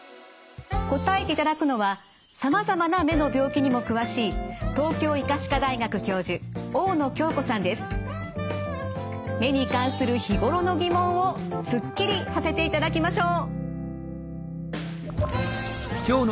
答えていただくのはさまざまな目の病気にも詳しい目に関する日頃の疑問をすっきりさせていただきましょう。